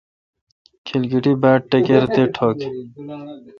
کھلکیٹی باڑٹکَِر تے ٹھو°گ ۔